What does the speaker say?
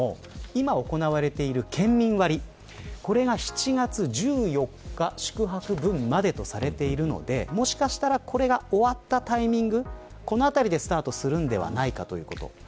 今、行われている県民割が７月１４日宿泊分までとされているのでもしかしたらこれが終わったタイミングこのあたりでスタートするのではないかということです。